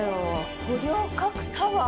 五稜郭タワー